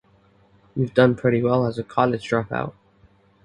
You've done pretty well as a college dropout!